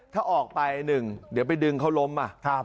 ถ้าออกไปหนึ่งเดี๋ยวไปดึงเขาล้มอ่ะ